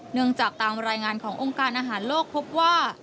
จากตามรายงานขององค์การอาหารโลกพบว่า